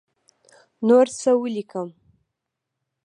نور څه ولیکم.